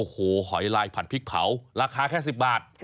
โอ้โหหอยลายผัดพริกเผาราคาแค่๑๐บาท